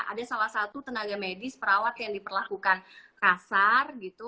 ada salah satu tenaga medis perawat yang diperlakukan kasar gitu